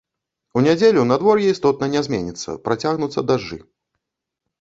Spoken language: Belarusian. У нядзелю надвор'е істотна не зменіцца, працягнуцца дажджы.